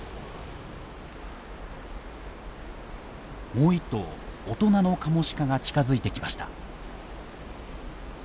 もう１頭大人のカモシカが近づいてきました。